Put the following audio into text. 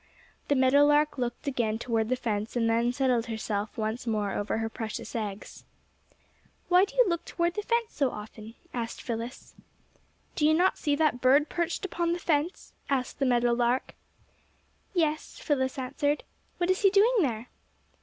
The meadow lark looked again toward the fence, and then settled herself once more over her precious eggs. "Why do you look toward the fence so often?" asked Phyllis. "Do you not see that bird perched upon the fence?" asked the meadow lark. "Yes," Phyllis answered, "what is he doing there?"